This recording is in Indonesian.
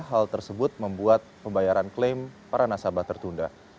hal tersebut membuat pembayaran klaim para nasabah tertunda